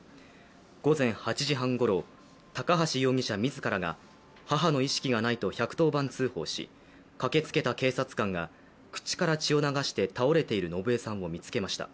午前８時半ごろ、高橋容疑者自らが母の意識がないと１１０番通報し駆けつけた警察官が口から血を流して倒れている信栄さんを見つけました。